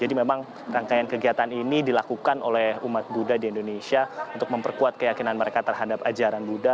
dan kegiatan ini dilakukan oleh umat buddha di indonesia untuk memperkuat keyakinan mereka terhadap ajaran buddha